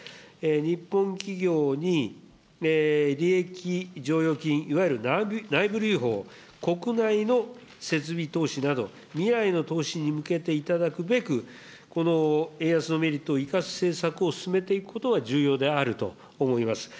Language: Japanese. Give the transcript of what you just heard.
日本企業に利益剰余金、いわゆる内部留保、国内の設備投資など、未来の投資に向けていただくべく、この円安のメリットを生かす政策を進めていくことが重要であると思います。